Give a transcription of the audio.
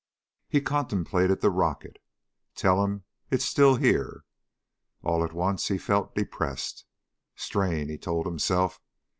He contemplated the rocket. "Tell 'em it's still here." All at once he felt depressed. Strain, he told himself.